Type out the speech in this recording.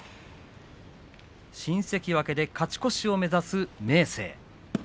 新関脇で勝ち越しを目指す明生。